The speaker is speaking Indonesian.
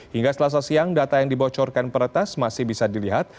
hingga selasa siang data yang dibocorkan peretas masih bisa dilihat